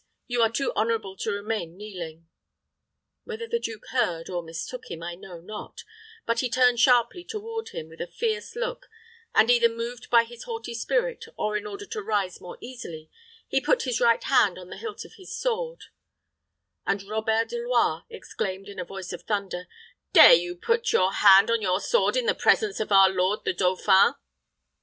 You are too honorable to remain kneeling." Whether the duke heard, or mistook him, I know not; but he turned sharply toward him, with a fierce look, and, either moved by his haughty spirit, or in order to rise more easily, he put his right hand on the hilt of his sword; and Robert de Loire exclaimed, in a voice of thunder, "Dare you put your hand on your sword in the presence of our lord the dauphin!"